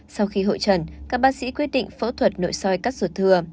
sau khi hội trần các bác sĩ quyết định phẫu thuật nội soi cắt ruột thừa